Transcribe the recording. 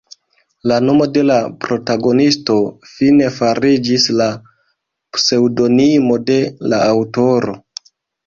La nomo de la protagonisto fine fariĝis la pseŭdonimo de la aŭtoro.